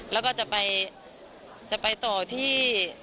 แล้วก็จะไปต่อที่